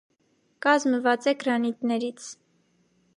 Կազմված է գրանիտներից։